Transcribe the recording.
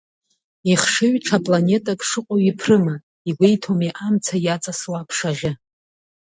Ихшыҩ ҽа планетак шыҟоу иԥрыма, игәеиҭомеи амца иаҵасуа аԥшаӷьы!